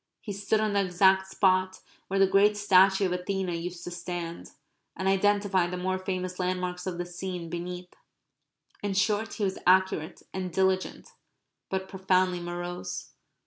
He stood on the exact spot where the great statue of Athena used to stand, and identified the more famous landmarks of the scene beneath. In short he was accurate and diligent; but profoundly morose.